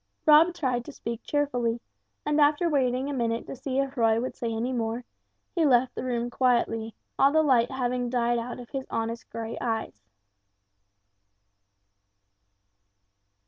Rob tried to speak cheerfully, and after waiting a minute to see if Roy would say any more, he left the room quietly; all the light having died out of his honest grey eyes.